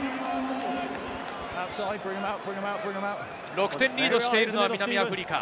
６点リードしているのは南アフリカ。